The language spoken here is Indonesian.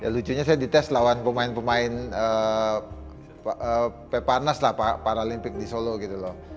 lucunya saya dites lawan pemain pemain peparnas lah paralimpik di solo gitu loh